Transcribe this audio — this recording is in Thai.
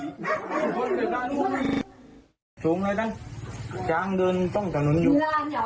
ควานช้างเดินต้องกระหนุนอยู่